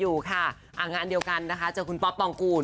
อยู่ค่ะงานเดียวกันนะคะเจอคุณป๊อปปองกูล